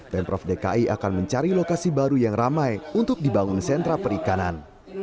pemprov dki akan mencari lokasi baru yang ramai untuk dibangun sentra perikanan